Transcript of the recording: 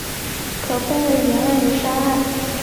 可分为岩岸与沙岸。